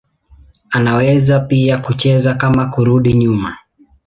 Anaweza pia kucheza kama kurudi nyuma.